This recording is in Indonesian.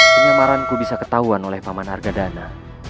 penyamaranku bisa ketahuan oleh paman argadana